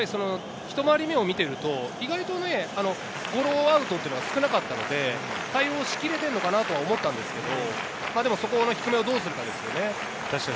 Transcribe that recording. ひと回り目を見ていると意外とゴロアウトは少なかったので、対応しきれているのかなと思ったんですけど、その低めをどうするかですね。